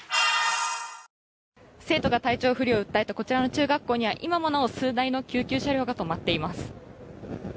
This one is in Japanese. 生徒が体調不良を訴えたこちらの中学校には今もなお、数台の救急車両が止まっています。